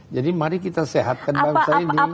jadi mari kita sehatkan bangsa ini